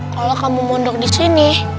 kalau kamu mondok disini